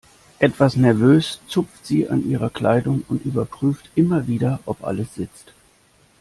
Etwas nervös zupft sie an ihrer Kleidung und überprüft immer wieder, ob alles sitzt.